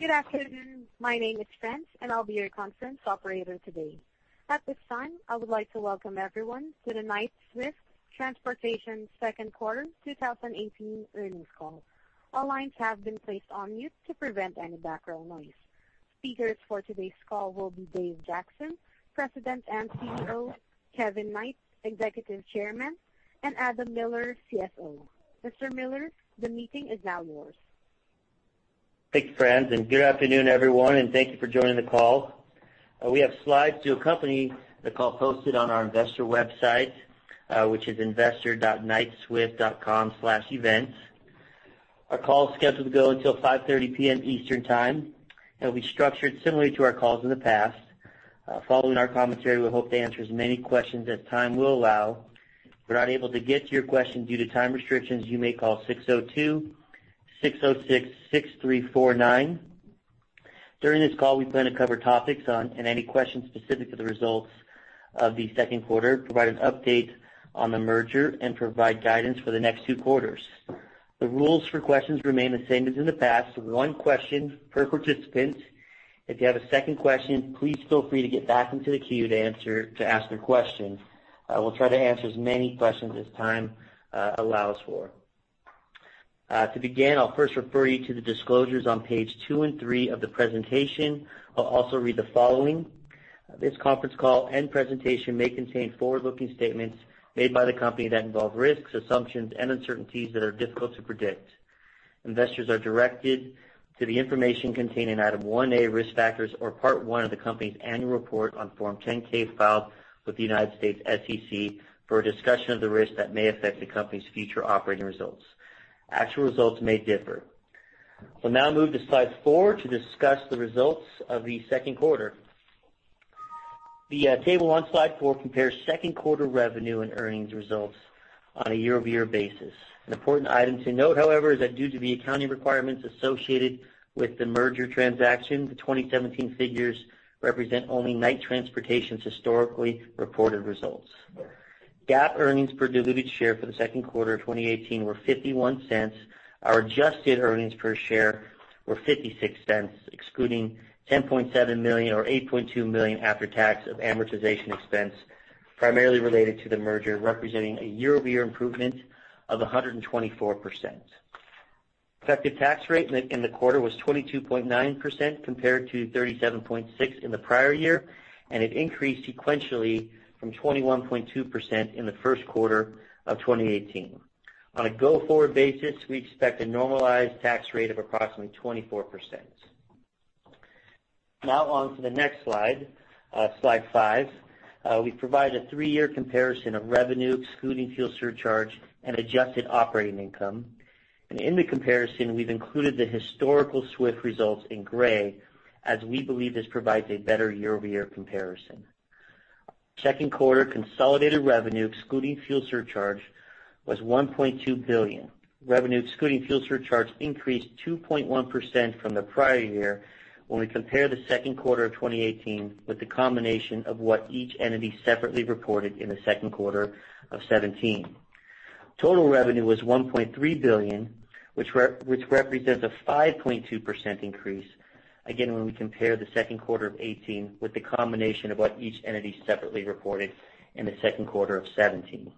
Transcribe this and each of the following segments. Good afternoon. My name is France, and I'll be your conference operator today. At this time, I would like to welcome everyone to the Knight-Swift Transportation second quarter 2018 earnings call. All lines have been placed on mute to prevent any background noise. Speakers for today's call will be Dave Jackson, President and CEO, Kevin Knight, Executive Chairman, and Adam Miller, CFO. Mr. Miller, the meeting is now yours. Thank you, France, and good afternoon, everyone, and thank you for joining the call. We have slides to accompany the call posted on our investor website, which is investor.knightswift.com/events. Our call is scheduled to go until 5:30 P.M. Eastern Time. It'll be structured similarly to our calls in the past. Following our commentary, we hope to answer as many questions as time will allow. If we're not able to get to your question due to time restrictions, you may call 602-606-6349. During this call, we plan to cover topics on, and any questions specific to the results of the second quarter, provide an update on the merger, and provide guidance for the next two quarters. The rules for questions remain the same as in the past, so one question per participant. If you have a second question, please feel free to get back into the queue to ask your question. We'll try to answer as many questions as time allows for. To begin, I'll first refer you to the disclosures on page 2 and 3 of the presentation. I'll also read the following: This conference call and presentation may contain forward-looking statements made by the Company that involve risks, assumptions, and uncertainties that are difficult to predict. Investors are directed to the information contained in Item 1A, Risk Factors or Part I of the Company's Annual Report on Form 10-K, filed with the U.S. SEC for a discussion of the risks that may affect the company's future operating results. Actual results may differ. We'll now move to slide 4 to discuss the results of the second quarter. The table on slide 4 compares second quarter revenue and earnings results on a year-over-year basis. An important item to note, however, is that due to the accounting requirements associated with the merger transaction, the 2017 figures represent only Knight Transportation's historically reported results. GAAP earnings per diluted share for the second quarter of 2018 were $0.51. Our adjusted earnings per share were $0.56, excluding $10.7 million or $8.2 million after tax of amortization expense, primarily related to the merger, representing a year-over-year improvement of 124%. Effective tax rate in the quarter was 22.9% compared to 37.6% in the prior year, and it increased sequentially from 21.2% in the first quarter of 2018. On a go-forward basis, we expect a normalized tax rate of approximately 24%. Now, on to the next slide, slide 5. We provide a three-year comparison of revenue, excluding fuel surcharge and adjusted operating income. In the comparison, we've included the historical Swift results in gray, as we believe this provides a better year-over-year comparison. Second quarter consolidated revenue, excluding fuel surcharge, was $1.2 billion. Revenue, excluding fuel surcharge, increased 2.1% from the prior year when we compare the second quarter of 2018 with the combination of what each entity separately reported in the second quarter of 2017. Total revenue was $1.3 billion, which represents a 5.2% increase, again, when we compare the second quarter of 2018 with the combination of what each entity separately reported in the second quarter of 2017.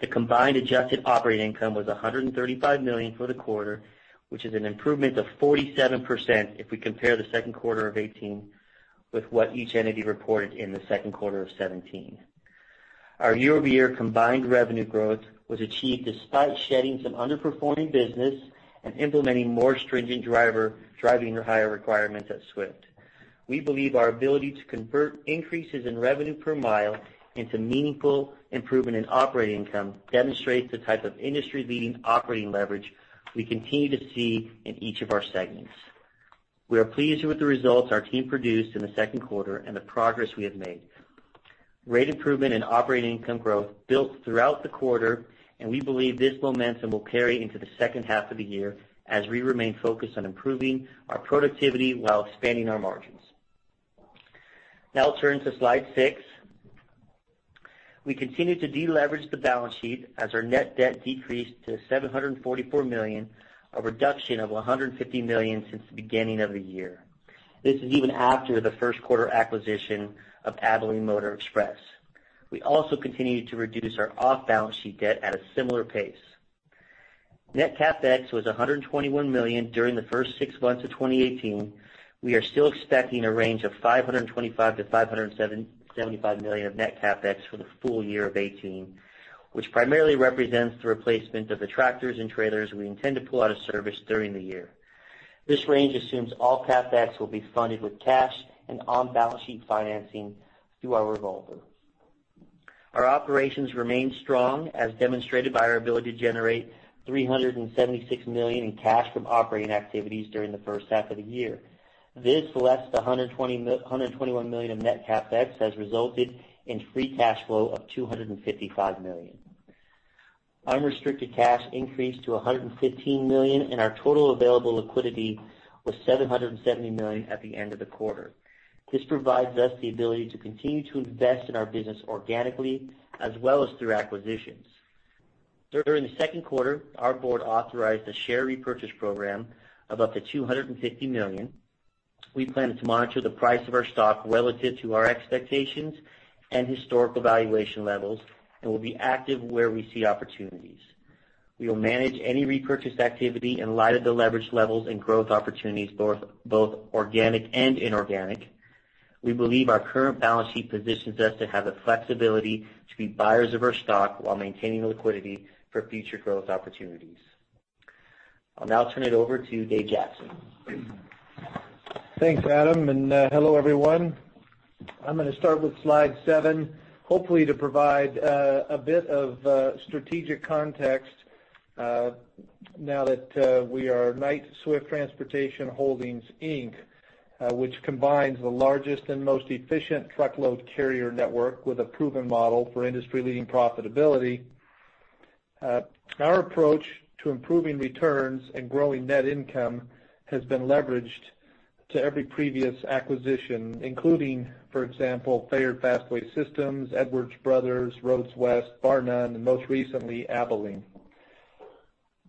The combined Adjusted Operating Income was $135 million for the quarter, which is an improvement of 47% if we compare the second quarter of 2018 with what each entity reported in the second quarter of 2017. Our year-over-year combined revenue growth was achieved despite shedding some underperforming business and implementing more stringent driver, driving the higher requirements at Swift. We believe our ability to convert increases in revenue per mile into meaningful improvement in operating income demonstrates the type of industry-leading operating leverage we continue to see in each of our segments. We are pleased with the results our team produced in the second quarter and the progress we have made. Great improvement in operating income growth built throughout the quarter, and we believe this momentum will carry into the second half of the year as we remain focused on improving our productivity while expanding our margins. Now I'll turn to slide 6. We continue to deleverage the balance sheet as our net debt decreased to $744 million, a reduction of $150 million since the beginning of the year. This is even after the first quarter acquisition of Abilene Motor Express. We also continued to reduce our off-balance sheet debt at a similar pace. Net CapEx was $121 million during the first six months of 2018. We are still expecting a range of $525 million-$575 million of net CapEx for the full year of 2018, which primarily represents the replacement of the tractors and trailers we intend to pull out of service during the year. This range assumes all CapEx will be funded with cash and on-balance sheet financing through our revolver. Our operations remain strong, as demonstrated by our ability to generate $376 million in cash from operating activities during the first half of the year. This, less the $121 million of net CapEx, has resulted in free cash flow of $255 million. Unrestricted cash increased to $115 million, and our total available liquidity was $770 million at the end of the quarter. This provides us the ability to continue to invest in our business organically as well as through acquisitions. During the second quarter, our board authorized a share repurchase program of up to $250 million. We plan to monitor the price of our stock relative to our expectations and historical valuation levels, and we'll be active where we see opportunities. We will manage any repurchase activity in light of the leverage levels and growth opportunities, both, both organic and inorganic. We believe our current balance sheet positions us to have the flexibility to be buyers of our stock while maintaining liquidity for future growth opportunities. I'll now turn it over to Dave Jackson. Thanks, Adam, and hello, everyone. I'm gonna start with Slide 7, hopefully to provide a bit of strategic context now that we are Knight-Swift Transportation Holdings, Inc., which combines the largest and most efficient truckload carrier network with a proven model for industry-leading profitability. Our approach to improving returns and growing net income has been leveraged to every previous acquisition, including, for example, Fastway Systems, Edwards Brothers, Roads West, Barr-Nunn, and most recently, Abilene.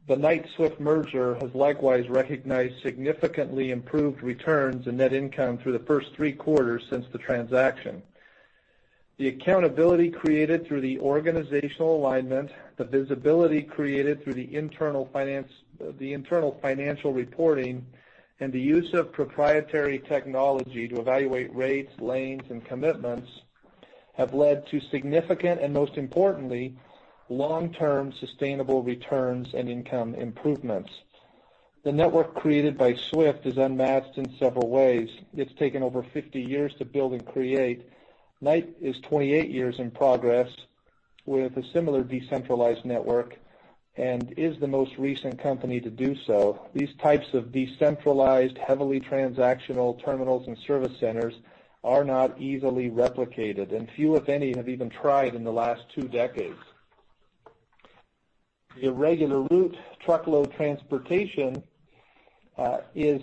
The Knight-Swift merger has likewise recognized significantly improved returns and net income through the first 3 quarters since the transaction. The accountability created through the organizational alignment, the visibility created through the internal financial reporting, and the use of proprietary technology to evaluate rates, lanes, and commitments, have led to significant and, most importantly, long-term sustainable returns and income improvements. The network created by Swift is unmatched in several ways. It's taken over 50 years to build and create. Knight is 28 years in progress, with a similar decentralized network, and is the most recent company to do so. These types of decentralized, heavily transactional terminals and service centers are not easily replicated, and few, if any, have even tried in the last two decades. The Irregular Route Truckload transportation is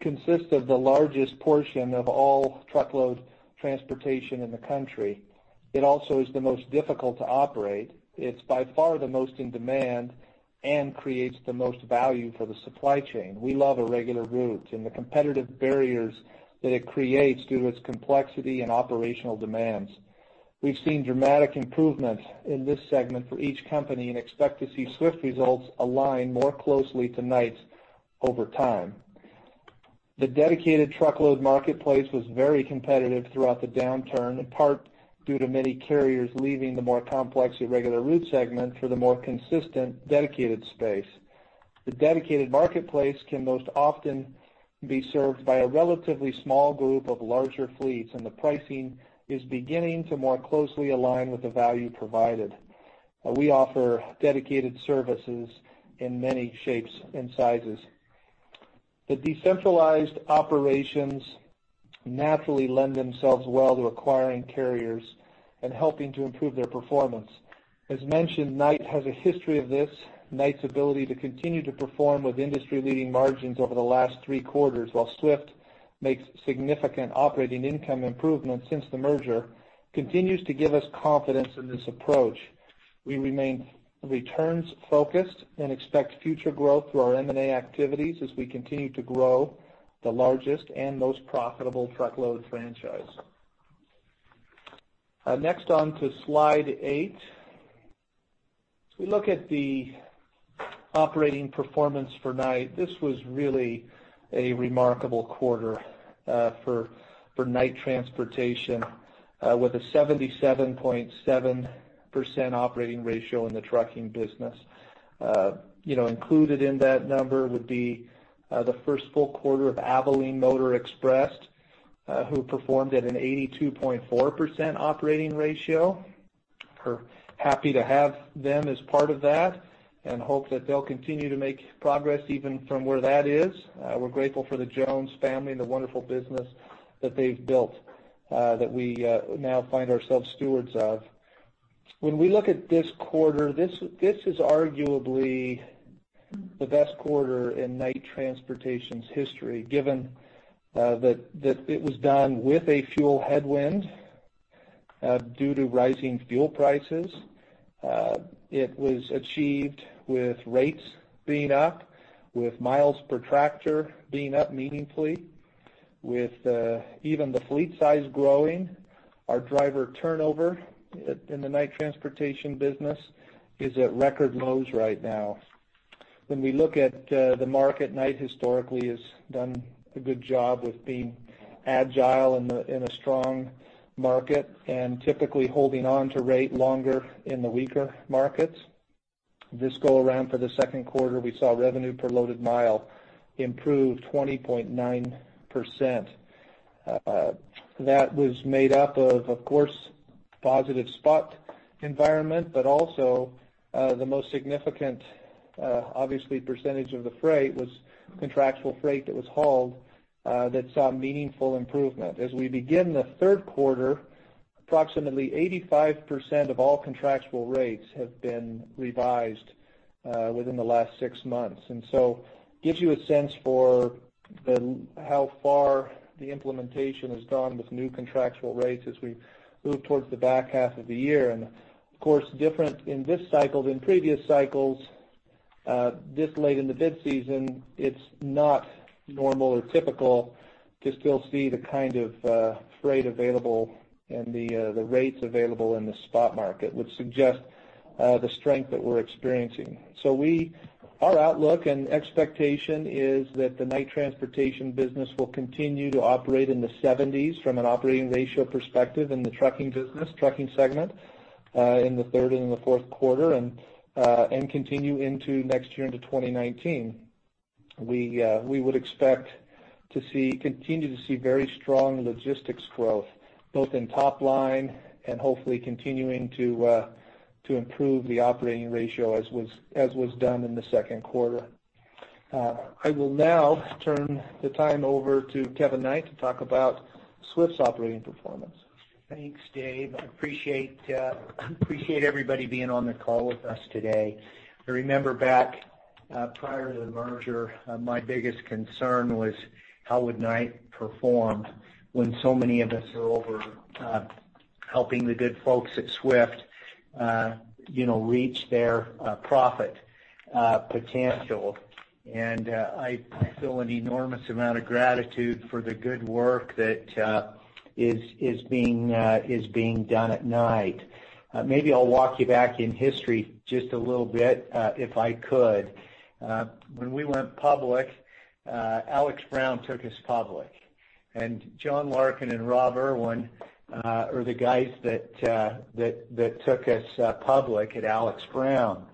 consist of the largest portion of all truckload transportation in the country. It also is the most difficult to operate. It's by far the most in demand and creates the most value for the supply chain. We love irregular routes and the competitive barriers that it creates due to its complexity and operational demands. We've seen dramatic improvements in this segment for each company and expect to see Swift results align more closely to Knight's over time. The dedicated truckload marketplace was very competitive throughout the downturn, in part due to many carriers leaving the more complex irregular route segment for the more consistent dedicated space. The dedicated marketplace can most often be served by a relatively small group of larger fleets, and the pricing is beginning to more closely align with the value provided. We offer dedicated services in many shapes and sizes. The decentralized operations naturally lend themselves well to acquiring carriers and helping to improve their performance. As mentioned, Knight has a history of this. Knight's ability to continue to perform with industry-leading margins over the last three quarters, while Swift makes significant operating income improvements since the merger, continues to give us confidence in this approach. We remain returns focused and expect future growth through our M&A activities as we continue to grow the largest and most profitable truckload franchise. Next onto Slide 8. If we look at the operating performance for Knight, this was really a remarkable quarter for Knight Transportation with a 77.7% operating ratio in the trucking business. You know, included in that number would be the first full quarter of Abilene Motor Express who performed at an 82.4% operating ratio. We're happy to have them as part of that and hope that they'll continue to make progress even from where that is. We're grateful for the Jones family and the wonderful business that they've built that we now find ourselves stewards of. When we look at this quarter, this is arguably the best quarter in Knight Transportation's history, given that it was done with a fuel headwind due to rising fuel prices. It was achieved with rates being up, with miles per tractor being up meaningfully, with even the fleet size growing. Our driver turnover in the Knight Transportation business is at record lows right now. When we look at the market, Knight historically has done a good job with being agile in a strong market and typically holding on to rate longer in the weaker markets. This go around for the second quarter, we saw revenue per loaded mile improve 20.9%. That was made up of, of course, positive spot environment, but also the most significant, obviously, percentage of the freight was contractual freight that was hauled that saw meaningful improvement. As we begin the third quarter, approximately 85% of all contractual rates have been revised within the last six months. And so gives you a sense for the, how far the implementation has gone with new contractual rates as we move towards the back half of the year. And of course, different in this cycle than previous cycles, this late in the bid season, it's not normal or typical to still see the kind of, freight available and the, the rates available in the spot market, which suggests, the strength that we're experiencing. So our outlook and expectation is that the Knight Transportation business will continue to operate in the 70s from an operating ratio perspective in the trucking business, trucking segment, in the third and the fourth quarter, and, and continue into next year, into 2019. We, we would expect to see, continue to see very strong logistics growth, both in top line and hopefully continuing to, to improve the operating ratio as was, as was done in the second quarter. I will now turn the time over to Kevin Knight to talk about Swift's operating performance. Thanks, Dave. I appreciate, I appreciate everybody being on the call with us today. I remember back, prior to the merger, my biggest concern was how would Knight perform when so many of us are over, helping the good folks at Swift, you know, reach their, profit, potential? I feel an enormous amount of gratitude for the good work that is being done at Knight. Maybe I'll walk you back in history just a little bit, if I could. When we went public, Alex. Brown took us public, and John Larkin and Rob Irwin are the guys that took us public at Alex. Brown.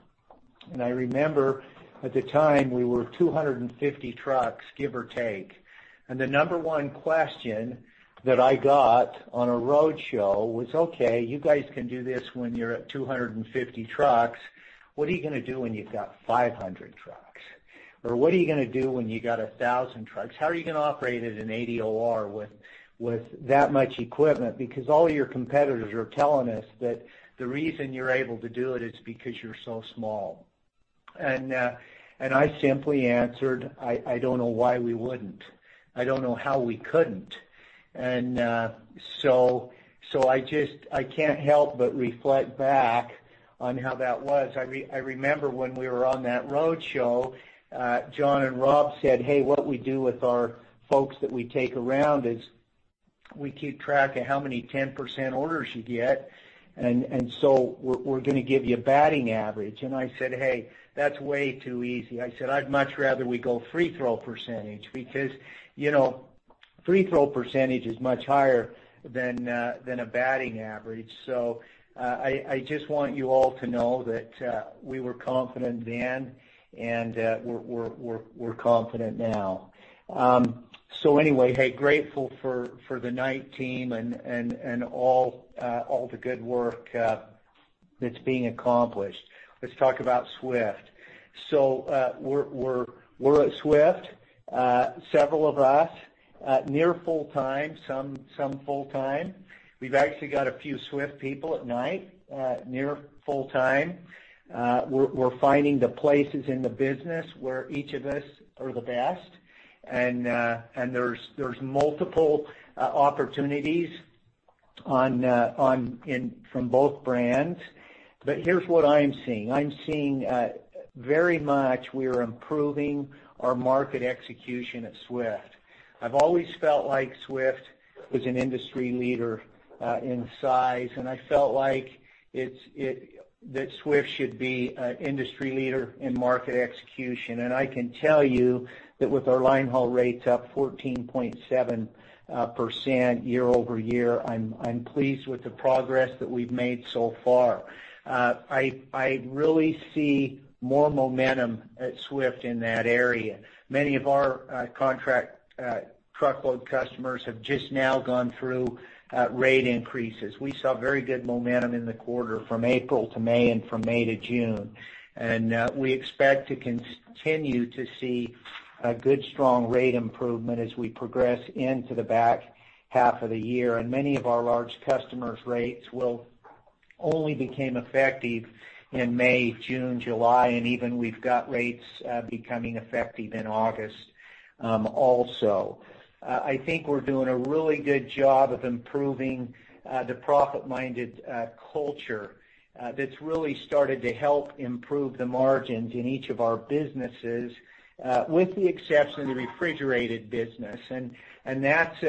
And I remember at the time, we were 250 trucks, give or take, and the number one question that I got on a roadshow was, "Okay, you guys can do this when you're at 250 trucks, what are you gonna do when you've got 500 trucks? Or what are you gonna do when you got 1,000 trucks? How are you gonna operate at an OR with that much equipment, because all your competitors are telling us that the reason you're able to do it is because you're so small?" And I simply answered, "I, I don't know why we wouldn't. I don't know how we couldn't." And so I just, I can't help but reflect back on how that was. I remember when we were on that roadshow, John and Rob said, "Hey, what we do with our folks that we take around is, we keep track of how many 10% orders you get, and so we're gonna give you a batting average." And I said, "Hey, that's way too easy." I said, "I'd much rather we go free throw percentage, because, you know, free throw percentage is much higher than a batting average." So, I just want you all to know that we were confident then, and we're confident now. So anyway, hey, grateful for the Knight team and all the good work that's being accomplished. Let's talk about Swift. So, we're at Swift, several of us near full-time, some full-time. We've actually got a few Swift people at Knight, near full-time. We're finding the places in the business where each of us are the best, and there's multiple opportunities from both brands. But here's what I'm seeing. I'm seeing very much we are improving our market execution at Swift. I've always felt like Swift was an industry leader in size, and I felt like it's that Swift should be an industry leader in market execution. And I can tell you that with our linehaul rates up 14.7% year-over-year, I'm pleased with the progress that we've made so far. I really see more momentum at Swift in that area. Many of our contract truckload customers have just now gone through rate increases. We saw very good momentum in the quarter from April to May and from May to June. We expect to continue to see a good, strong rate improvement as we progress into the back half of the year. Many of our large customers' rates will only became effective in May, June, July, and even we've got rates becoming effective in August, also. I think we're doing a really good job of improving the profit-minded culture that's really started to help improve the margins in each of our businesses, with the exception of the refrigerated business. That's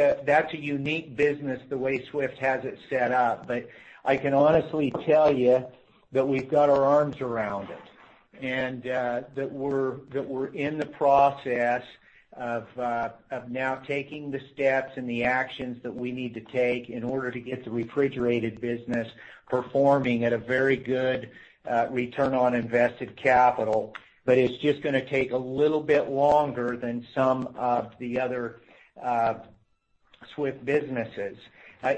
a unique business, the way Swift has it set up. But I can honestly tell you that we've got our arms around it, and that we're, that we're in the process of now taking the steps and the actions that we need to take in order to get the refrigerated business performing at a very good return on invested capital. But it's just gonna take a little bit longer than some of the other Swift businesses.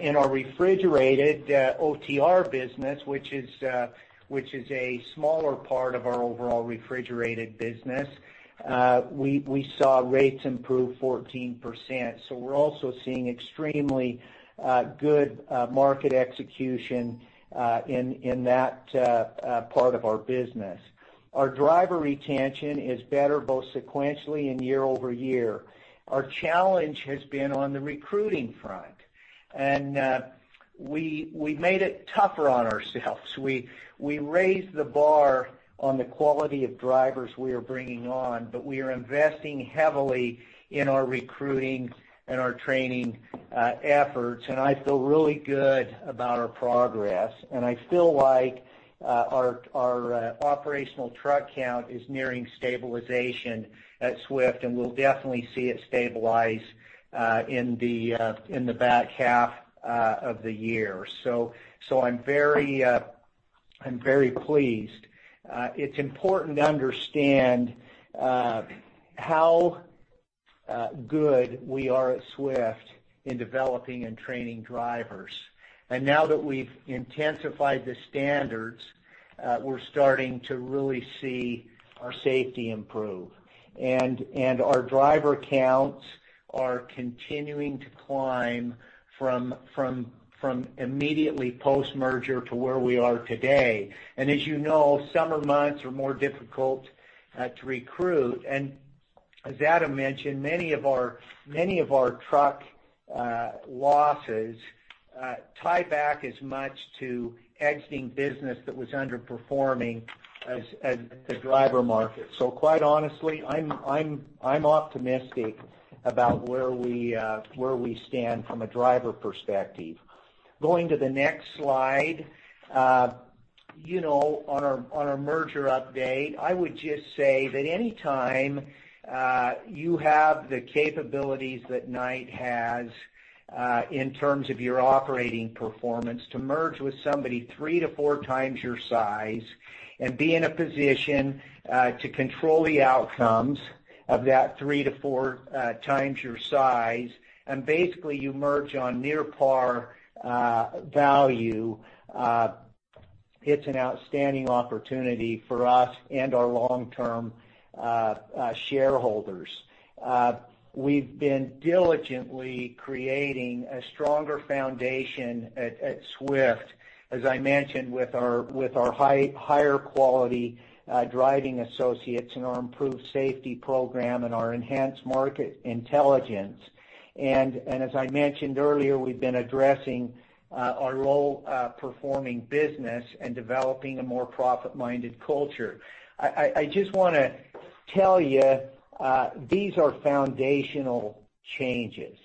In our refrigerated OTR business, which is, which is a smaller part of our overall refrigerated business, we, we saw rates improve 14%. So we're also seeing extremely good market execution in that part of our business. Our driver retention is better, both sequentially and year-over-year. Our challenge has been on the recruiting front, and we, we've made it tougher on ourselves. We raised the bar on the quality of drivers we are bringing on, but we are investing heavily in our recruiting and our training efforts, and I feel really good about our progress. And I feel like our operational truck count is nearing stabilization at Swift, and we'll definitely see it stabilize in the back half of the year. So I'm very pleased. It's important to understand how good we are at Swift in developing and training drivers. And now that we've intensified the standards, we're starting to really see our safety improve. And our driver counts are continuing to climb from immediately post-merger to where we are today. And as you know, summer months are more difficult to recruit. As Adam mentioned, many of our truck losses tie back as much to exiting business that was underperforming as the driver market. Quite honestly, I'm optimistic about where we stand from a driver perspective. Going to the next slide, you know, on our merger update, I would just say that anytime you have the capabilities that Knight has in terms of your operating performance, to merge with somebody 3-4 times your size and be in a position to control the outcomes of that 3-4 times your size, and basically, you merge on near par value, it's an outstanding opportunity for us and our long-term shareholders. We've been diligently creating a stronger foundation at Swift, as I mentioned, with our higher quality driving associates and our improved safety program and our enhanced market intelligence. And as I mentioned earlier, we've been addressing our low performing business and developing a more profit-minded culture. I just wanna tell you, these are foundational changes.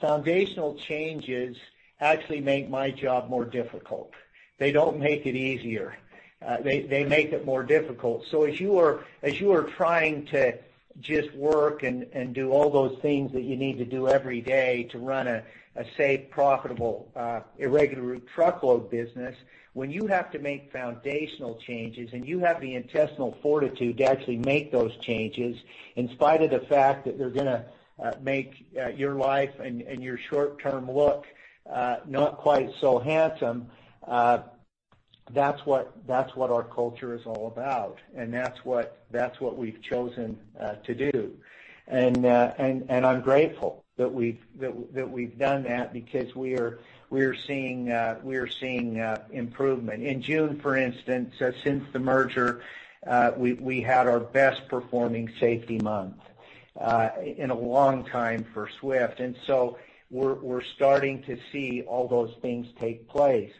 Foundational changes actually make my job more difficult. They don't make it easier. They make it more difficult. So as you are trying to just work and do all those things that you need to do every day to run a safe, profitable irregular route truckload business, when you have to make foundational changes, and you have the intestinal fortitude to actually make those changes, in spite of the fact that they're gonna make your life and your short-term look not quite so handsome, that's what our culture is all about, and that's what we've chosen to do. And I'm grateful that we've done that because we are seeing improvement. In June, for instance, since the merger, we had our best performing safety month in a long time for Swift, and so we're starting to see all those things take place.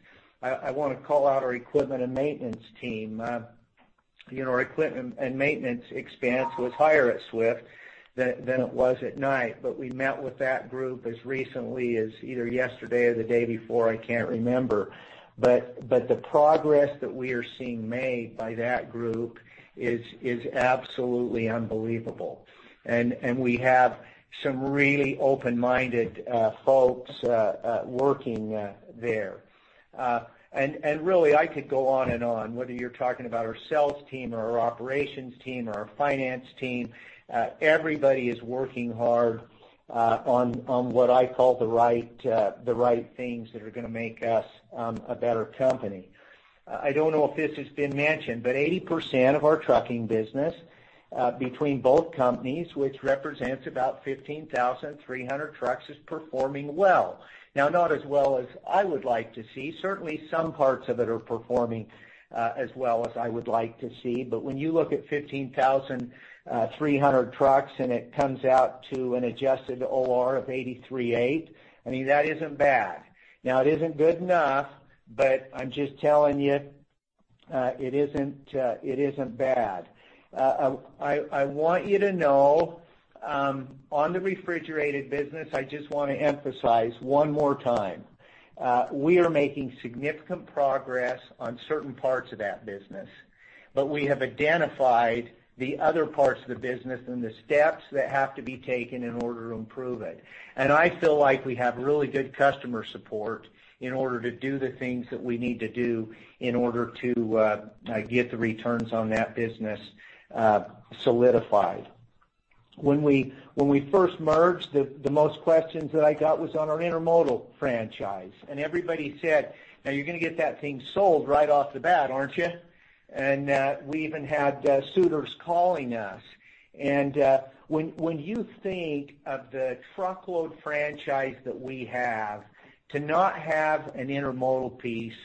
I wanna call out our equipment and maintenance team. You know, our equipment and maintenance expense was higher at Swift than it was at Knight, but we met with that group as recently as either yesterday or the day before. I can't remember. But the progress that we are seeing made by that group is absolutely unbelievable, and we have some really open-minded folks working there. And really, I could go on and on, whether you're talking about our sales team or our operations team or our finance team, everybody is working hard on what I call the right, the right things that are gonna make us a better company. I don't know if this has been mentioned, but 80% of our trucking business between both companies, which represents about 15,300 trucks, is performing well. Now, not as well as I would like to see. Certainly, some parts of it are performing as well as I would like to see. But when you look at 15,300 trucks, and it comes out to an adjusted OR of 83.8, I mean, that isn't bad. Now, it isn't good enough, but I'm just telling you, it isn't bad. I want you to know on the refrigerated business, I just want to emphasize one more time, we are making significant progress on certain parts of that business, but we have identified the other parts of the business and the steps that have to be taken in order to improve it. And I feel like we have really good customer support in order to do the things that we need to do in order to get the returns on that business solidified.... When we first merged, the most questions that I got was on our intermodal franchise, and everybody said, "Now you're gonna get that thing sold right off the bat, aren't you?" And we even had suitors calling us. When you think of the truckload franchise that we have, to not have an intermodal piece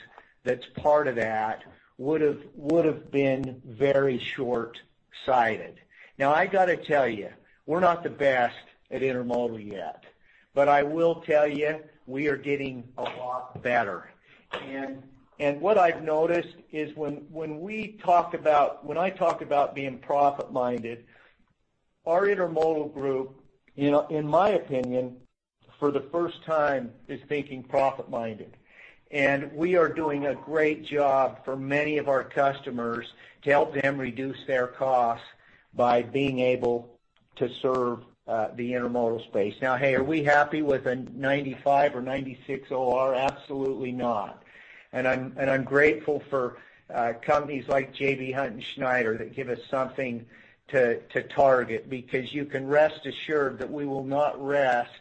that's part of that would've been very short-sighted. Now, I gotta tell you, we're not the best at intermodal yet, but I will tell you, we are getting a lot better. And what I've noticed is when I talk about being profit-minded, our intermodal group, you know, in my opinion, for the first time, is thinking profit-minded. And we are doing a great job for many of our customers to help them reduce their costs by being able to serve the intermodal space. Now, hey, are we happy with a 95 or 96 OR? Absolutely not. And I'm grateful for companies like J.B. Hunt. Hunt and Schneider that give us something to target, because you can rest assured that we will not rest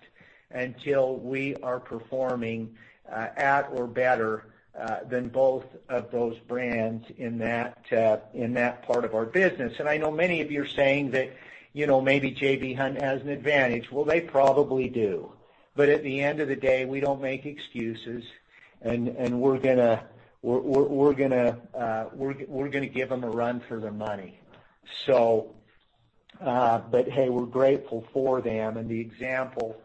until we are performing at or better than both of those brands in that part of our business. And I know many of you are saying that, you know, maybe J.B. Hunt has an advantage. Well, they probably do. But at the end of the day, we don't make excuses, and we're gonna give them a run for their money. So, but hey, we're grateful for them and the example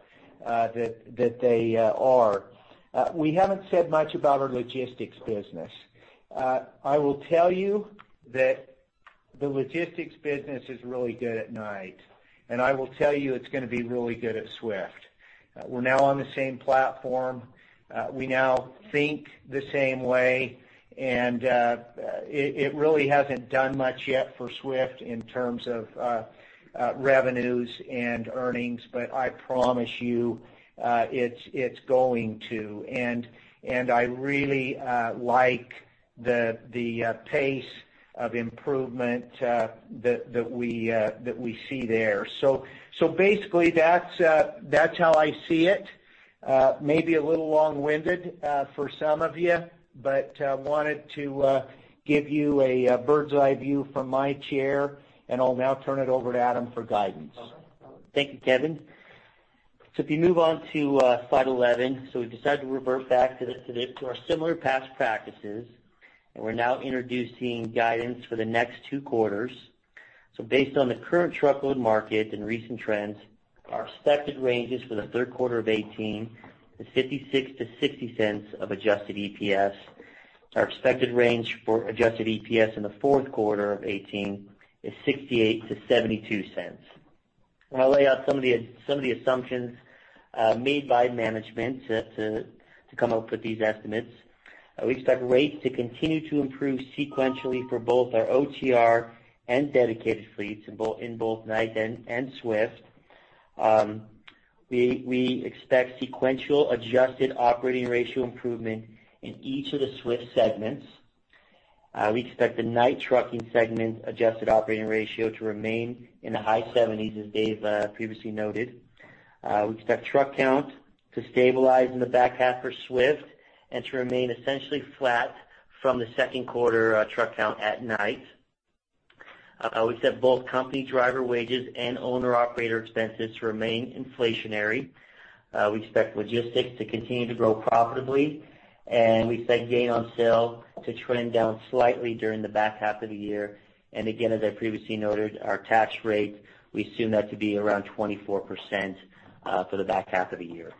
that they are. We haven't said much about our logistics business. I will tell you that the logistics business is really good at Knight, and I will tell you it's gonna be really good at Swift. We're now on the same platform. We now think the same way, and it really hasn't done much yet for Swift in terms of revenues and earnings, but I promise you, it's going to. And I really like the pace of improvement that we see there. So basically, that's how I see it. Maybe a little long-winded for some of you, but wanted to give you a bird's eye view from my chair, and I'll now turn it over to Adam for guidance. Thank you, Kevin. So if you move on to slide 11, so we decided to revert back to the to our similar past practices, and we're now introducing guidance for the next two quarters. So based on the current truckload market and recent trends, our expected ranges for the third quarter of 2018 is $0.56-$0.60 adjusted EPS. Our expected range for adjusted EPS in the fourth quarter of 2018 is $0.68-$0.72. I'm going to lay out some of the assumptions made by management to come up with these estimates. We expect rates to continue to improve sequentially for both our OTR and dedicated fleets in both Knight and Swift. We expect sequential adjusted operating ratio improvement in each of the Swift segments. We expect the Knight trucking segment adjusted operating ratio to remain in the high 70s, as Dave previously noted. We expect truck count to stabilize in the back half for Swift and to remain essentially flat from the second quarter truck count at Knight. We expect both company driver wages and owner-operator expenses to remain inflationary. We expect logistics to continue to grow profitably, and we expect gain on sale to trend down slightly during the back half of the year. And again, as I previously noted, our tax rate, we assume that to be around 24%, for the back half of the year.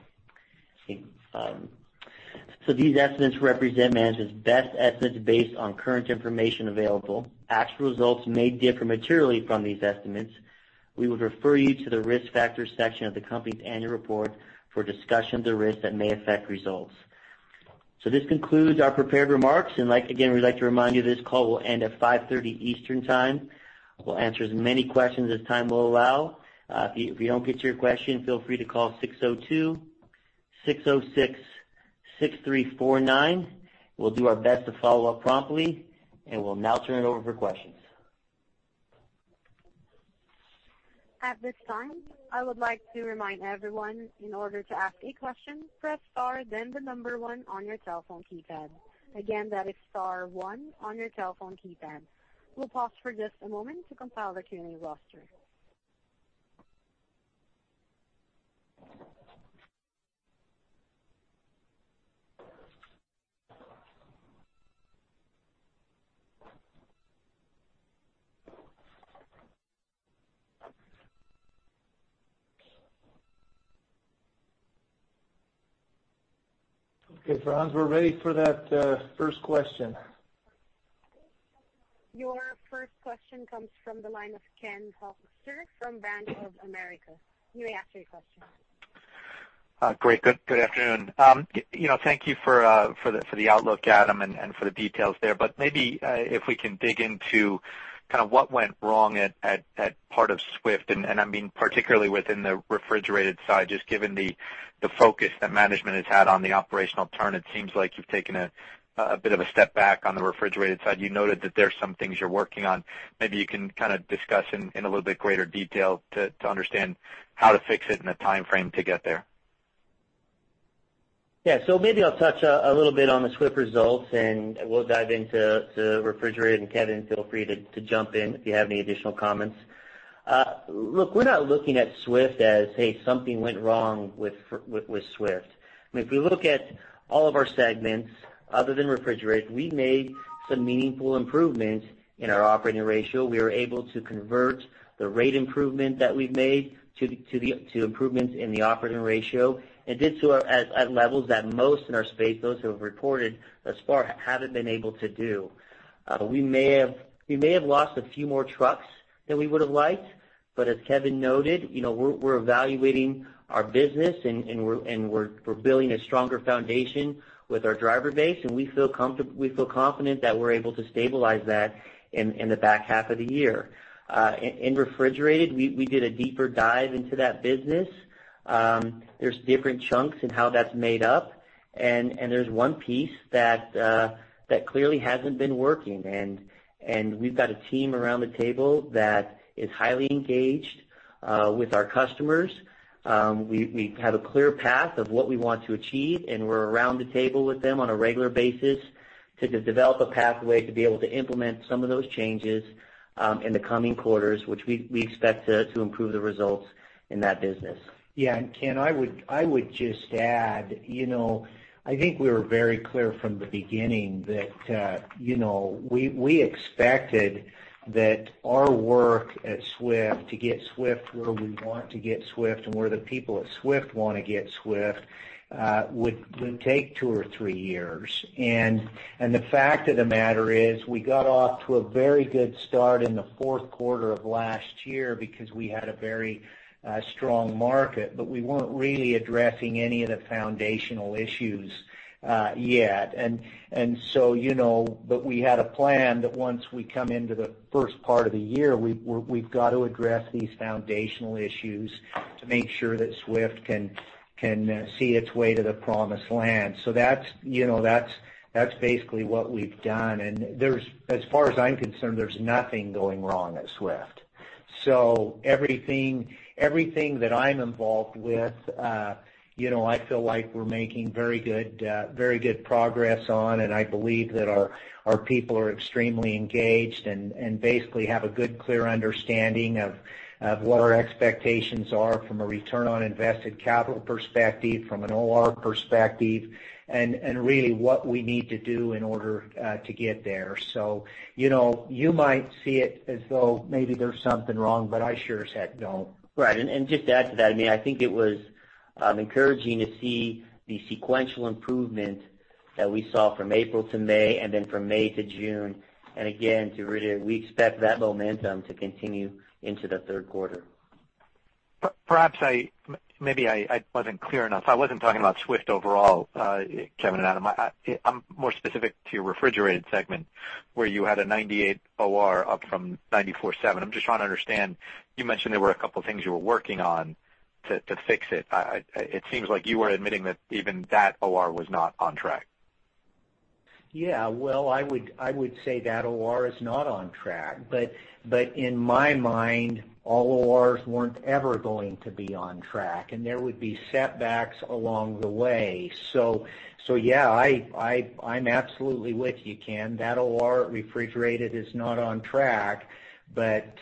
So these estimates represent management's best estimates based on current information available. Actual results may differ materially from these estimates. We would refer you to the Risk Factors section of the company's annual report for a discussion of the risks that may affect results. So this concludes our prepared remarks, and like, again, we'd like to remind you this call will end at 5:30 P.M. Eastern Time. We'll answer as many questions as time will allow. If you, if we don't get to your question, feel free to call 602-606-6349. We'll do our best to follow up promptly, and we'll now turn it over for questions. At this time, I would like to remind everyone, in order to ask a question, press star, then the number one on your telephone keypad. Again, that is star one on your telephone keypad. We'll pause for just a moment to compile the attendee roster. Okay, France, we're ready for that first question. Your first question comes from the line of Ken Hoexter from Bank of America. You may ask your question. Great. Good afternoon. You know, thank you for the outlook, Adam, and for the details there. But maybe if we can dig into kind of what went wrong at part of Swift, and I mean, particularly within the refrigerated side, just given the focus that management has had on the operational turn, it seems like you've taken a bit of a step back on the refrigerated side. You noted that there are some things you're working on. Maybe you can kind of discuss in a little bit greater detail to understand how to fix it and the time frame to get there. Yeah, so maybe I'll touch a little bit on the Swift results, and we'll dive into Refrigerated, and Kevin, feel free to jump in if you have any additional comments. Look, we're not looking at Swift as, hey, something went wrong with Swift. I mean, if we look at all of our segments other than Refrigerated, we made some meaningful improvements in our operating ratio. We were able to convert the rate improvement that we've made to the improvements in the operating ratio, and did so at levels that most in our space, those who have reported thus far, haven't been able to do. We may have lost a few more trucks than we would have liked, but as Kevin noted, you know, we're evaluating our business, and we're building a stronger foundation with our driver base, and we feel comfort—we feel confident that we're able to stabilize that in the back half of the year. In Refrigerated, we did a deeper dive into that business. There's different chunks in how that's made up, and there's one piece that clearly hasn't been working, and we've got a team around the table that is highly engaged with our customers. We have a clear path of what we want to achieve, and we're around the table with them on a regular basis to develop a pathway to be able to implement some of those changes in the coming quarters, which we expect to improve the results in that business. Yeah, and Ken, I would just add, you know, I think we were very clear from the beginning that, you know, we expected that our work at Swift to get Swift where we want to get Swift and where the people at Swift want to get Swift would take two or three years. And the fact of the matter is, we got off to a very good start in the fourth quarter of last year because we had a very strong market, but we weren't really addressing any of the foundational issues yet. And so, you know, but we had a plan that once we come into the first part of the year, we've got to address these foundational issues to make sure that Swift can see its way to the promised land. So that's, you know, that's basically what we've done, and there's... As far as I'm concerned, there's nothing going wrong at Swift. So everything that I'm involved with, you know, I feel like we're making very good, very good progress on, and I believe that our people are extremely engaged and basically have a good, clear understanding of what our expectations are from a return on invested capital perspective, from an OR perspective, and really what we need to do in order to get there. So, you know, you might see it as though maybe there's something wrong, but I sure as heck don't. Right, and just to add to that, I mean, I think it was encouraging to see the sequential improvement that we saw from April to May and then from May to June, and again, to reiterate, we expect that momentum to continue into the third quarter. Perhaps I maybe I wasn't clear enough. I wasn't talking about Swift overall, Kevin and Adam. I'm more specific to your Refrigerated segment, where you had a 98 OR up from 94.7. I'm just trying to understand, you mentioned there were a couple things you were working on to fix it. It seems like you were admitting that even that OR was not on track. Yeah, well, I would say that OR is not on track, but in my mind, all ORs weren't ever going to be on track, and there would be setbacks along the way. So yeah, I'm absolutely with you, Ken. That OR at Refrigerated is not on track, but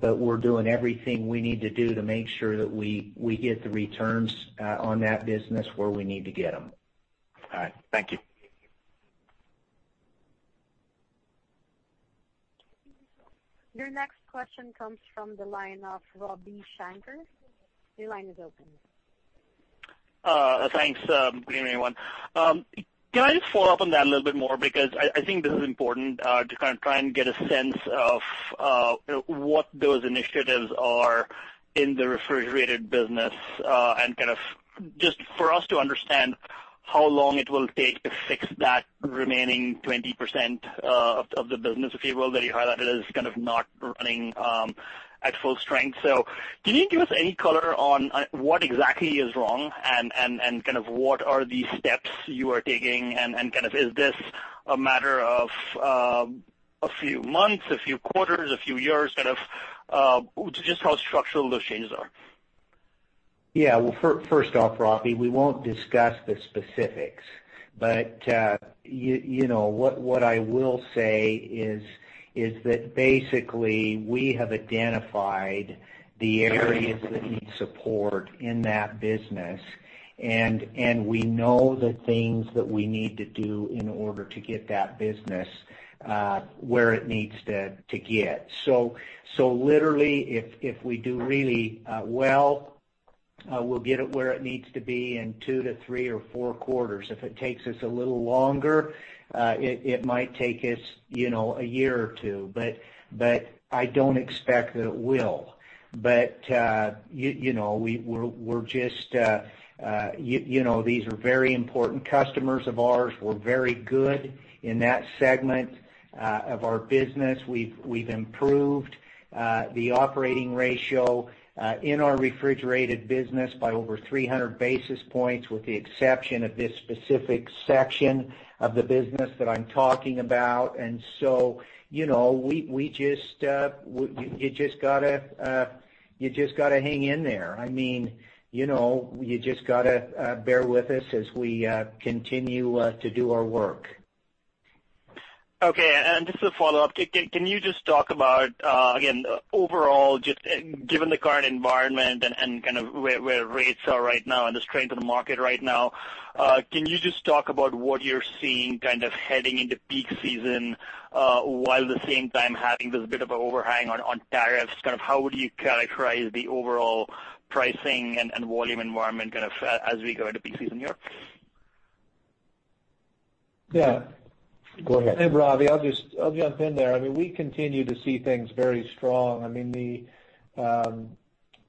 we're doing everything we need to do to make sure that we get the returns on that business where we need to get them. All right. Thank you. Your next question comes from the line of Ravi Shanker. Your line is open. Thanks, good evening, everyone. Can I just follow up on that a little bit more? Because I, I think this is important, to kind of try and get a sense of what those initiatives are in the Refrigerated business, and kind of just for us to understand how long it will take to fix that remaining 20% of the business, if you will, that you highlighted as kind of not running at full strength. So can you give us any color on what exactly is wrong and what are the steps you are taking, and kind of is this a matter of a few months, a few quarters, a few years? Kind of just how structural those changes are. Yeah. Well, first off, Robbie, we won't discuss the specifics, but, you know, what I will say is that basically, we have identified the areas that need support in that business, and we know the things that we need to do in order to get that business, where it needs to get. So, literally, if we do really well, we'll get it where it needs to be in 2 to 3 or 4 quarters. If it takes us a little longer, it might take us, you know, a year or 2, but I don't expect that it will. But, you know, we're just, you know, these are very important customers of ours. We're very good in that segment of our business. We've, we've improved the operating ratio in our Refrigerated business by over 300 basis points, with the exception of this specific section of the business that I'm talking about. And so, you know, we, we just, you just gotta, you just gotta hang in there. I mean, you know, you just gotta bear with us as we continue to do our work. ...Okay, and just a follow-up. Can you just talk about, again, overall, just given the current environment and, kind of where rates are right now and the strength of the market right now, can you just talk about what you're seeing kind of heading into peak season, while at the same time having this bit of an overhang on, tariffs? Kind of how would you characterize the overall pricing and, volume environment kind of, as we go into peak season here? Yeah. Go ahead. Hey, Ravi, I'll just. I'll jump in there. I mean, we continue to see things very strong. I mean, the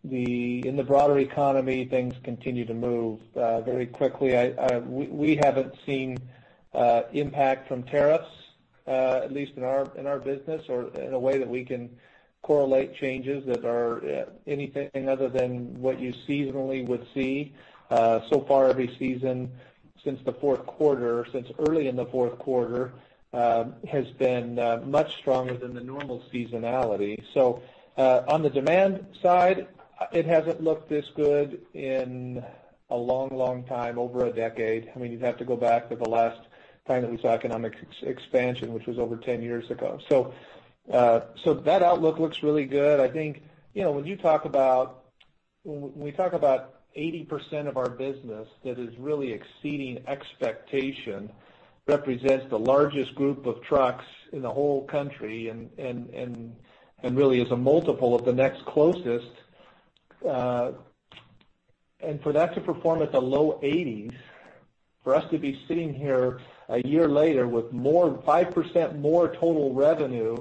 in the broader economy, things continue to move very quickly. We haven't seen impact from tariffs at least in our business, or in a way that we can correlate changes that are anything other than what you seasonally would see. So far, every season since the fourth quarter, since early in the fourth quarter, has been much stronger than the normal seasonality. So, on the demand side, it hasn't looked this good in a long, long time, over a decade. I mean, you'd have to go back to the last time that we saw economic expansion, which was over 10 years ago. So, that outlook looks really good. I think, you know, when you talk about... When we talk about 80% of our business, that is really exceeding expectation, represents the largest group of trucks in the whole country and really is a multiple of the next closest, and for that to perform at the low 80s, for us to be sitting here a year later with 5% more total revenue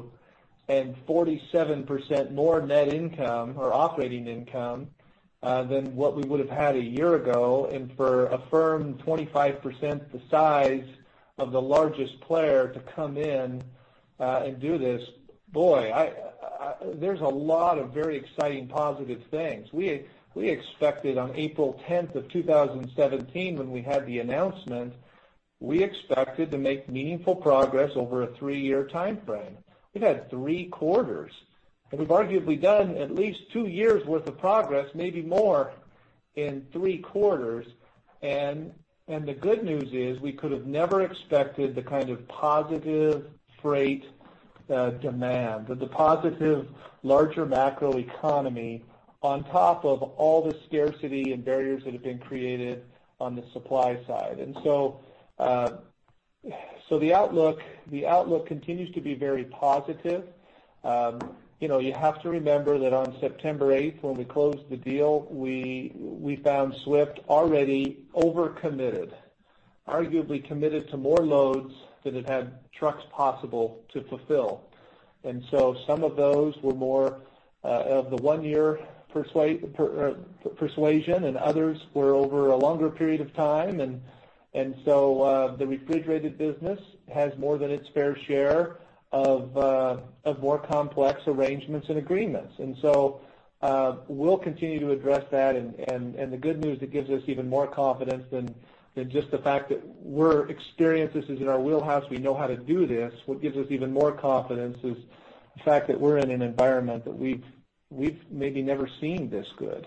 and 47% more net income or operating income than what we would have had a year ago, and for a firm 25% the size of the largest player to come in and do this, boy, there's a lot of very exciting positive things. We expected on April tenth of 2017, when we had the announcement, we expected to make meaningful progress over a three-year timeframe. We've had three quarters, and we've arguably done at least two years worth of progress, maybe more in three quarters. The good news is, we could have never expected the kind of positive freight demand, the positive larger macroeconomy on top of all the scarcity and barriers that have been created on the supply side. And so the outlook continues to be very positive. You know, you have to remember that on September eighth, when we closed the deal, we found Swift already overcommitted, arguably committed to more loads than it had trucks possible to fulfill. And so some of those were more of the one-year persuasion, and others were over a longer period of time. And so the refrigerated business has more than its fair share of more complex arrangements and agreements. And so, we'll continue to address that, and the good news that gives us even more confidence than just the fact that we're experienced, this is in our wheelhouse, we know how to do this. What gives us even more confidence is the fact that we're in an environment that we've maybe never seen this good.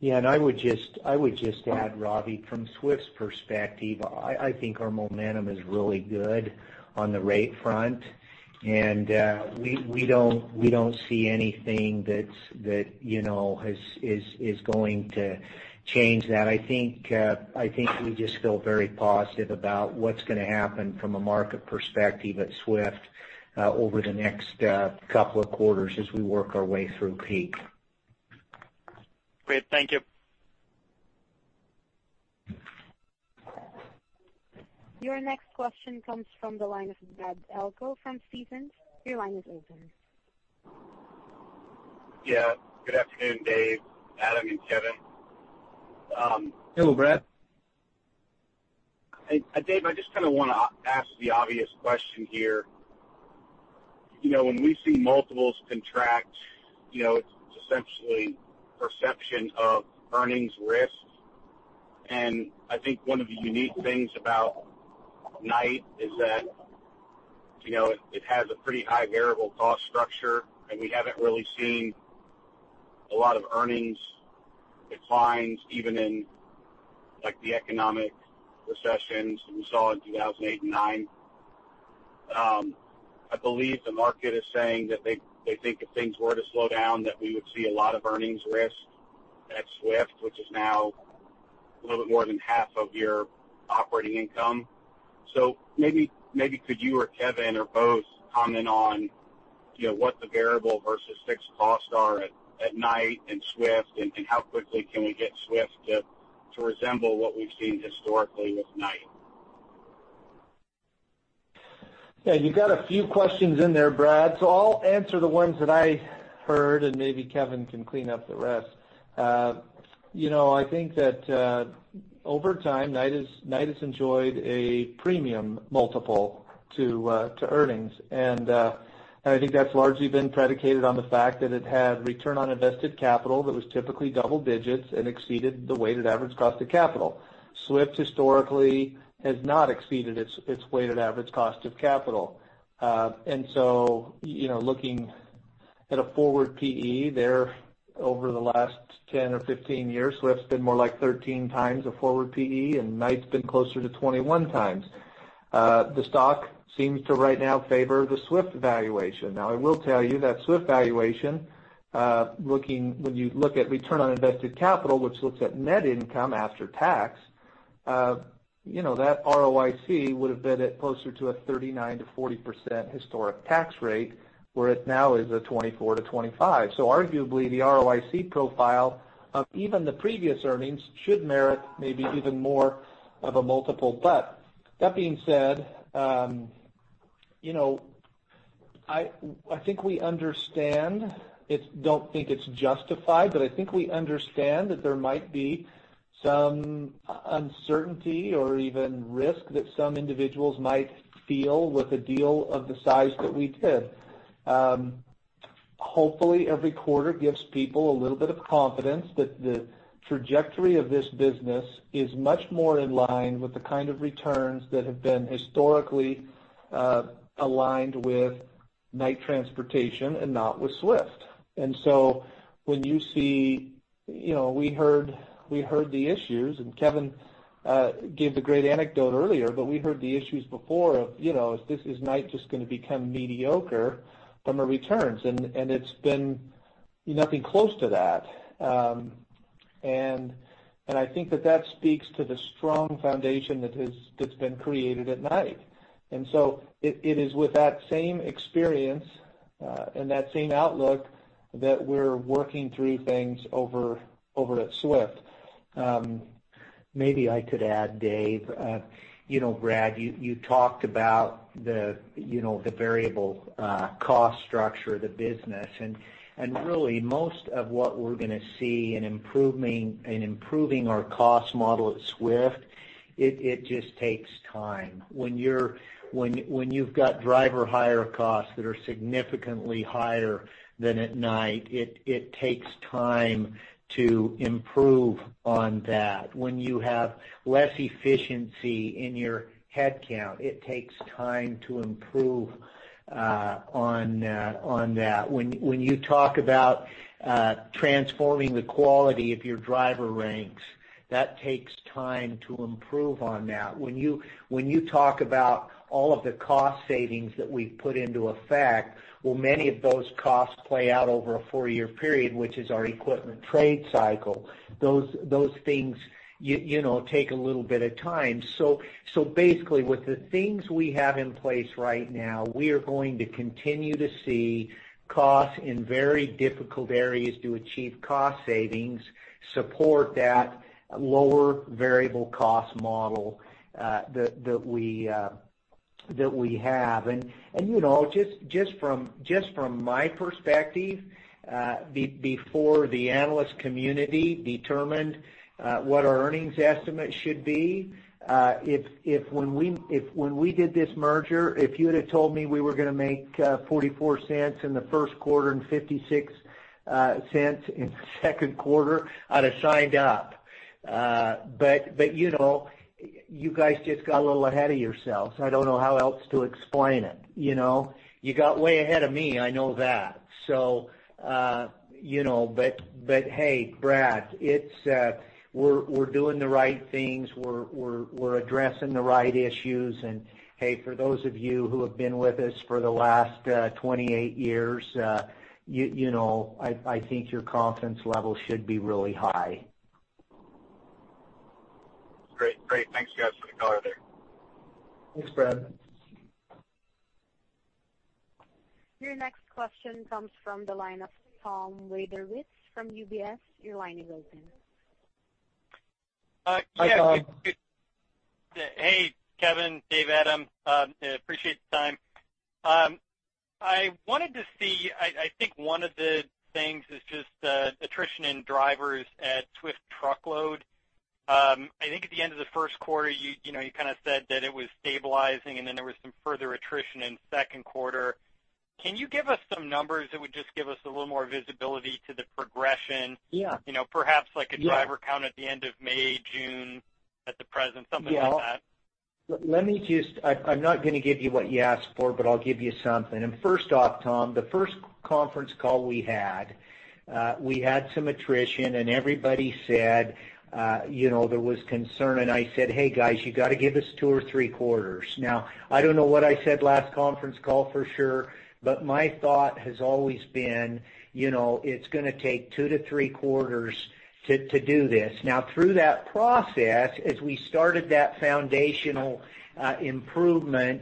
Yeah, and I would just add, Ravi, from Swift's perspective, I think our momentum is really good on the rate front, and we don't see anything that's, you know, is going to change that. I think we just feel very positive about what's going to happen from a market perspective at Swift over the next couple of quarters as we work our way through peak. Great. Thank you. Your next question comes from the line of Brad Delco from Stephens. Your line is open. Yeah. Good afternoon, Dave, Adam, and Kevin. Hello, Brad. Dave, I just kind of want to ask the obvious question here. You know, when we see multiples contract, you know, it's essentially perception of earnings risk, and I think one of the unique things about Knight is that, you know, it, it has a pretty high variable cost structure, and we haven't really seen a lot of earnings declines, even in, like, the economic recessions we saw in 2008 and 2009. I believe the market is saying that they, they think if things were to slow down, that we would see a lot of earnings risk at Swift, which is now a little bit more than half of your operating income. So maybe, maybe could you or Kevin or both comment on, you know, what the variable versus fixed costs are at, at Knight and Swift, and, and how quickly can we get Swift to, to resemble what we've seen historically with Knight? Yeah, you've got a few questions in there, Brad, so I'll answer the ones that I heard, and maybe Kevin can clean up the rest. You know, I think that over time, Knight has, Knight has enjoyed a premium multiple to earnings, and I think that's largely been predicated on the fact that it had return on invested capital that was typically double digits and exceeded the weighted average cost of capital. Swift historically has not exceeded its weighted average cost of capital. And so, you know, looking at a forward PE there over the last 10 or 15 years, Swift's been more like 13 times a forward PE, and Knight's been closer to 21 times. The stock seems to right now favor the Swift valuation. Now, I will tell you that Swift valuation, looking, when you look at return on invested capital, which looks at net income after tax, you know, that ROIC would have been at closer to a 39%-40% historic tax rate, where it now is a 24%-25%. So arguably, the ROIC profile of even the previous earnings should merit maybe even more of a multiple. But that being said, you know, I think we understand. I don't think it's justified, but I think we understand that there might be some uncertainty or even risk that some individuals might feel with a deal of the size that we did. Hopefully, every quarter gives people a little bit of confidence that the trajectory of this business is much more in line with the kind of returns that have been historically aligned with Knight Transportation and not with Swift. And so when you see... You know, we heard, we heard the issues, and Kevin gave the great anecdote earlier, but we heard the issues before of, you know, is this, is Knight just gonna become mediocre from the returns? And, and it's been nothing close to that. And I think that that speaks to the strong foundation that's been created at Knight. And so it is with that same experience and that same outlook that we're working through things over at Swift. Maybe I could add, Dave. You know, Brad, you talked about the, you know, the variable cost structure of the business, and really, most of what we're gonna see in improving our cost model at Swift, it just takes time. When you've got driver hire costs that are significantly higher than at Knight, it takes time to improve on that. When you have less efficiency in your headcount, it takes time to improve on that. When you talk about transforming the quality of your driver ranks, that takes time to improve on that. When you talk about all of the cost savings that we've put into effect, well, many of those costs play out over a four-year period, which is our equipment trade cycle. Those things, you know, take a little bit of time. So basically, with the things we have in place right now, we are going to continue to see costs in very difficult areas to achieve cost savings, support that lower variable cost model, that we have. And, you know, just from my perspective, before the analyst community determined what our earnings estimate should be, if, when we did this merger, if you would have told me we were gonna make $0.44 in the first quarter and $0.56 in the second quarter, I'd have signed up. But, you know, you guys just got a little ahead of yourselves. I don't know how else to explain it, you know? You got way ahead of me, I know that. So, you know, but, hey, Brad, it's, we're addressing the right issues. Hey, for those of you who have been with us for the last 28 years, you know, I think your confidence level should be really high. Great. Great. Thanks, guys, for the color there. Thanks, Brad. Your next question comes from the line of Tom Wadewitz from UBS. Your line is open. Hi, Tom. Yeah, good. Hey, Kevin, Dave, Adam, appreciate the time. I wanted to see, I think one of the things is just attrition in drivers at Swift Truckload. I think at the end of the first quarter, you know, you kinda said that it was stabilizing, and then there was some further attrition in second quarter. Can you give us some numbers that would just give us a little more visibility to the progression? Yeah. You know, perhaps like a driver- Yeah count at the end of May, June, at the present, something like that. Yeah. Let me just... I'm not gonna give you what you asked for, but I'll give you something. And first off, Tom, the first conference call we had, we had some attrition, and everybody said, you know, there was concern, and I said, "Hey, guys, you got to give us two or three quarters." Now, I don't know what I said last conference call for sure, but my thought has always been, you know, it's gonna take two to three quarters to do this. Now, through that process, as we started that foundational improvement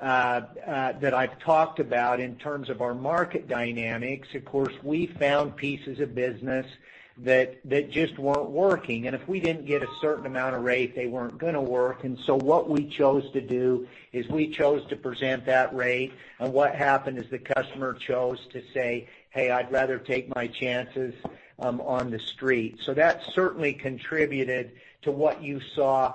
that I've talked about in terms of our market dynamics, of course, we found pieces of business that just weren't working. If we didn't get a certain amount of rate, they weren't gonna work, and so what we chose to do is we chose to present that rate. What happened is the customer chose to say, "Hey, I'd rather take my chances on the street." So that certainly contributed to what you saw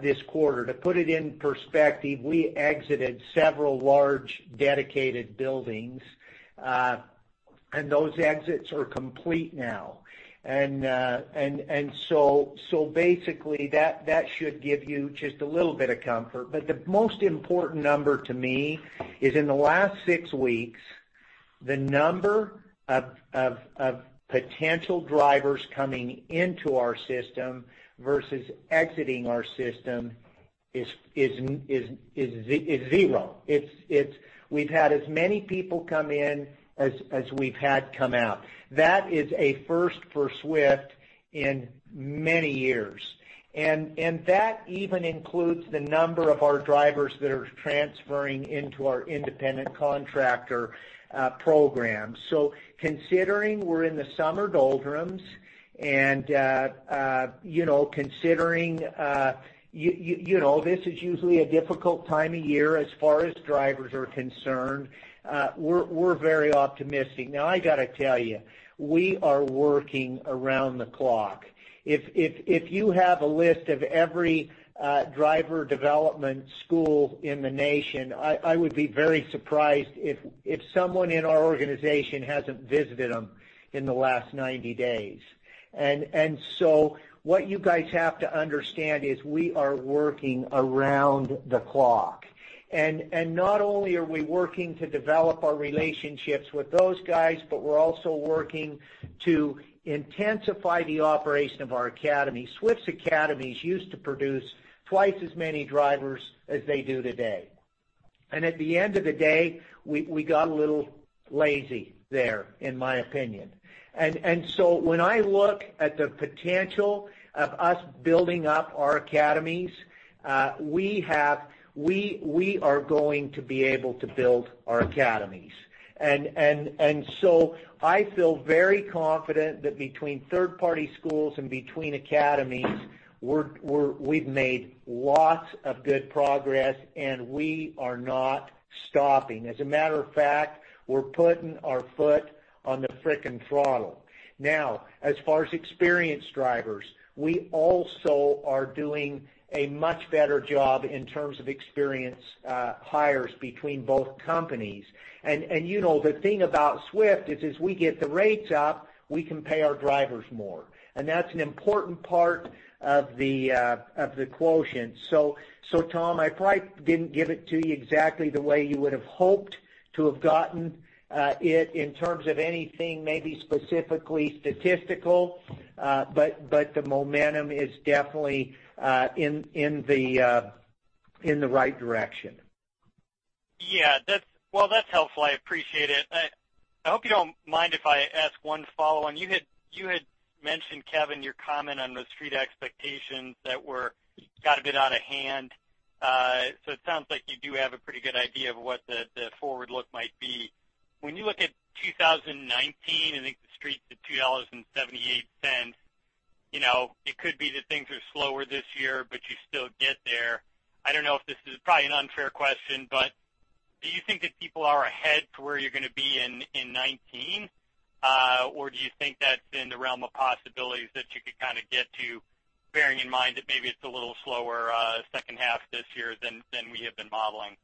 this quarter. To put it in perspective, we exited several large, dedicated buildings, and those exits are complete now. And so basically, that should give you just a little bit of comfort. But the most important number to me is in the last six weeks. The number of potential drivers coming into our system versus exiting our system is zero. It's we've had as many people come in as we've had come out. That is a first for Swift in many years, and that even includes the number of our drivers that are transferring into our independent contractor program. So considering we're in the summer doldrums and you know considering you know this is usually a difficult time of year as far as drivers are concerned, we're very optimistic. Now, I gotta tell you, we are working around the clock. If you have a list of every driver development school in the nation, I would be very surprised if someone in our organization hasn't visited them in the last 90 days. And so what you guys have to understand is we are working around the clock. Not only are we working to develop our relationships with those guys, but we're also working to intensify the operation of our academy. Swift's academies used to produce twice as many drivers as they do today. And at the end of the day, we got a little lazy there, in my opinion. So when I look at the potential of us building up our academies, we are going to be able to build our academies. And so I feel very confident that between third-party schools and between academies, we've made lots of good progress, and we are not stopping. As a matter of fact, we're putting our foot on the freaking throttle. Now, as far as experienced drivers, we also are doing a much better job in terms of experienced hires between both companies. You know, the thing about Swift is, as we get the rates up, we can pay our drivers more, and that's an important part of the quotient. So, Tom, I probably didn't give it to you exactly the way you would have hoped to have gotten it in terms of anything maybe specifically statistical, but the momentum is definitely in the right direction. Yeah, that's... Well, that's helpful. I appreciate it. I hope you don't mind if I ask one follow-on. You had mentioned, Kevin, your comment on The Street expectations that got a bit out of hand. So it sounds like you do have a pretty good idea of what the forward look might be. When you look at 2019, I think The Street is at $2.78, you know, it could be that things are slower this year, but you still get there. I don't know if this is probably an unfair question, but do you think that people are ahead of where you're going to be in 2019? Or, do you think that's in the realm of possibilities that you could kind of get to, bearing in mind that maybe it's a little slower second half this year than we have been modeling?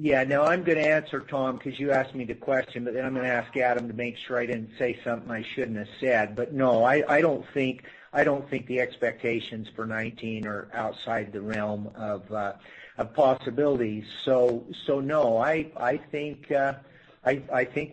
Yeah. No, I'm going to answer, Tom, because you asked me the question, but then I'm going to ask Adam to make sure I didn't say something I shouldn't have said. But no, I don't think the expectations for 2019 are outside the realm of possibility. So, no, I think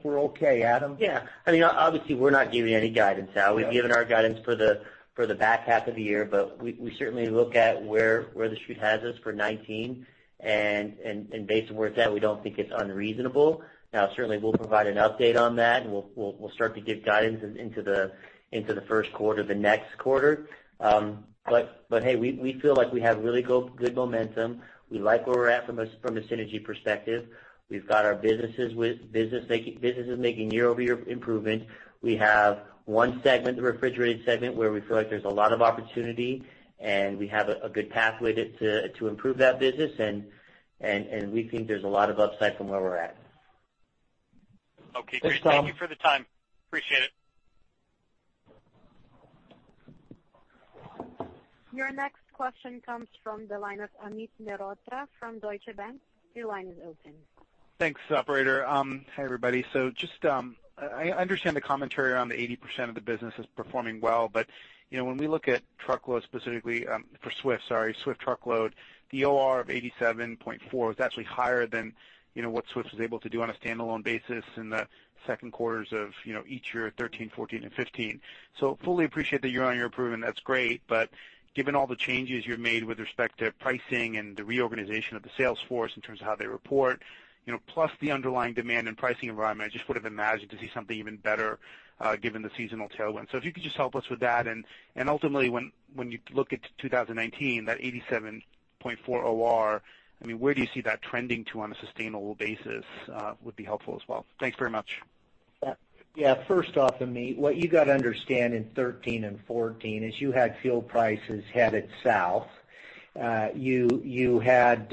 we're okay. Adam? Yeah. I mean, obviously, we're not giving any guidance out. Yeah. We've given our guidance for the back half of the year, but we certainly look at where The Street has us for 2019, and based on where it's at, we don't think it's unreasonable. Now, certainly, we'll provide an update on that, and we'll start to give guidance into the first quarter, the next quarter. But, hey, we feel like we have really good momentum. We like where we're at from a synergy perspective. We've got our businesses making year-over-year improvement. We have one segment, the refrigerated segment, where we feel like there's a lot of opportunity, and we have a good pathway to improve that business, and we think there's a lot of upside from where we're at. Okay, great. Thanks, Tom. Thank you for the time. Appreciate it. Your next question comes from the line of Amit Mehrotra from Deutsche Bank. Your line is open. Thanks, operator. Hi, everybody. So just, I understand the commentary around the 80% of the business is performing well, but, you know, when we look at truckload, specifically, for Swift, sorry, Swift truckload, the OR of 87.4 is actually higher than, you know, what Swift was able to do on a standalone basis in the second quarters of, you know, each year, 2013, 2014, and 2015. So fully appreciate that you're on your improvement, that's great, but given all the changes you've made with respect to pricing and the reorganization of the sales force in terms of how they report, you know, plus the underlying demand and pricing environment, I just would have imagined to see something even better, given the seasonal tailwind. So if you could just help us with that, and ultimately, when you look at 2019, that 87.4 OR, I mean, where do you see that trending to on a sustainable basis, would be helpful as well. Thanks very much. Yeah. First off, Amit, what you got to understand in 2013 and 2014 is you had fuel prices headed south. You had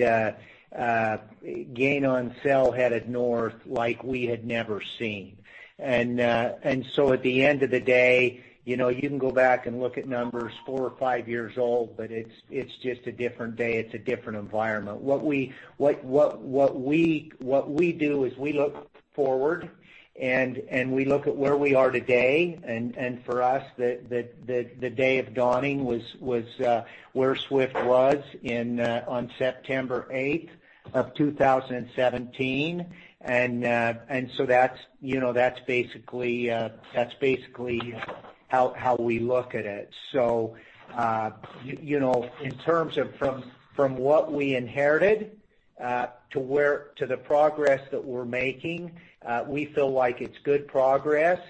gain on sale headed north like we had never seen. And so at the end of the day, you know, you can go back and look at numbers four or five years old, but it's just a different day, it's a different environment. What we do is we look forward. And we look at where we are today, and for us, the day of dawning was where Swift was in on September 8, 2017. And so that's, you know, that's basically how we look at it. So, you know, in terms of from what we inherited to where to the progress that we're making, we feel like it's good progress,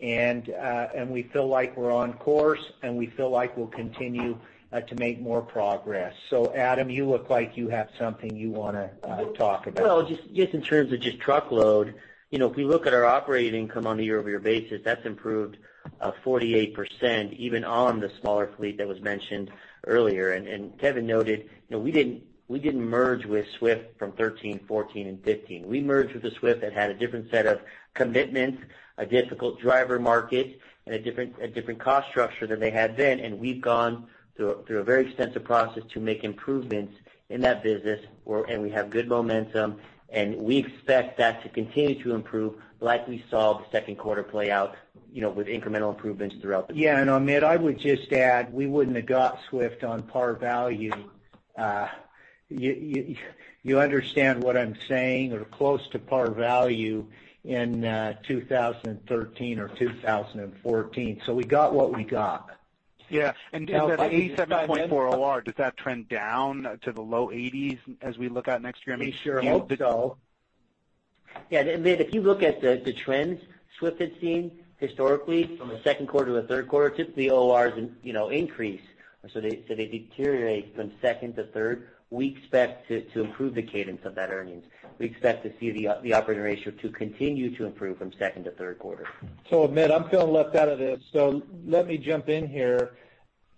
and and we feel like we're on course, and we feel like we'll continue to make more progress. So Adam, you look like you have something you wanna talk about. Well, just, just in terms of just truckload, you know, if we look at our operating income on a year-over-year basis, that's improved 48%, even on the smaller fleet that was mentioned earlier. And Kevin noted, you know, we didn't, we didn't merge with Swift from 2013, 2014, and 2015. We merged with the Swift that had a different set of commitments, a difficult driver market, and a different, a different cost structure than they had then, and we've gone through a, through a very extensive process to make improvements in that business. And we have good momentum, and we expect that to continue to improve, like we saw the second quarter play out, you know, with incremental improvements throughout the year. Yeah, and, Amit, I would just add, we wouldn't have got Swift on par value. You understand what I'm saying? Or close to par value in 2013 or 2014, so we got what we got. Yeah, and does that 87.4 OR trend down to the low 80s as we look out next year? We sure hope so. Yeah, Amit, if you look at the trends Swift had seen historically from the second quarter to the third quarter, typically, ORs, you know, increase, so they deteriorate from second to third. We expect to improve the cadence of that earnings. We expect to see the operating ratio to continue to improve from second to third quarter. So Amit, I'm feeling left out of this, so let me jump in here.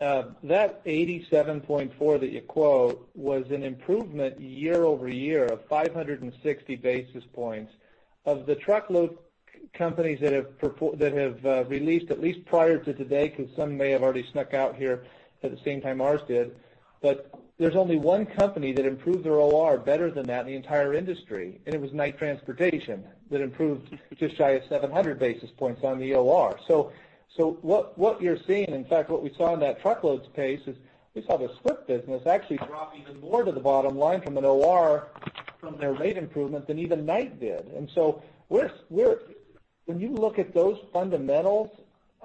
That 87.4 that you quote was an improvement year over year of 560 basis points. Of the truckload companies that have released, at least prior to today, because some may have already snuck out here at the same time ours did, but there's only one company that improved their OR better than that in the entire industry, and it was Knight Transportation that improved just shy of 700 basis points on the OR. So what you're seeing, in fact, what we saw in that truckload space is we saw the Swift business actually dropping even more to the bottom line from an OR from their rate improvement than even Knight did. And so we're, when you look at those fundamentals,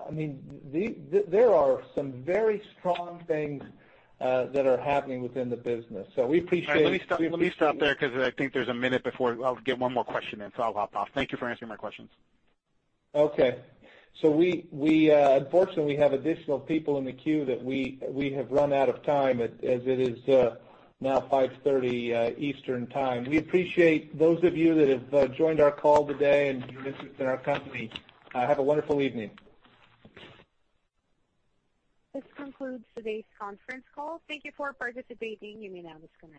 I mean, the, there are some very strong things that are happening within the business. So we appreciate- All right. Let me stop, let me stop there because I think there's a minute before I'll get one more question in, so I'll hop off. Thank you for answering my questions. Okay. So we unfortunately have additional people in the queue that we have run out of time as it is now 5:30 P.M. Eastern Time. We appreciate those of you that have joined our call today and your interest in our company. Have a wonderful evening. This concludes today's conference call. Thank you for participating. You may now disconnect.